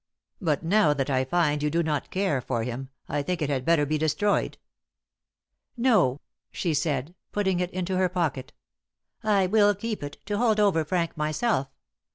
But now that I find you do not care for him, I think it had better be destroyed." "No," she said, putting it into her pocket, "I will keep it, to hold over Frank myself.